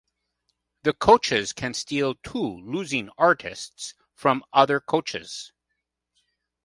The coaches can steal two losing artist from other coaches.